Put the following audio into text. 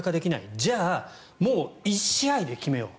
じゃあもう１試合で決めようと。